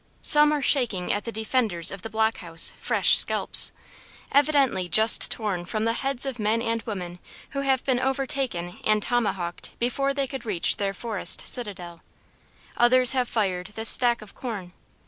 Some are shaking at the defenders of the block house fresh scalps, evidently just torn from the heads of men and women who have been overtaken and tomahawked before they could reach their forest citadel: others have fired the stack of corn.